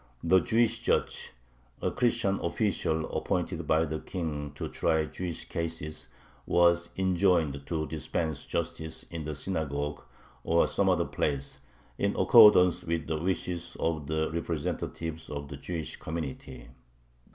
The "Jewish judge," a Christian official appointed by the king to try Jewish cases, was enjoined to dispense justice in the synagogue or some other place, in accordance with the wishes of the representatives of the Jewish community.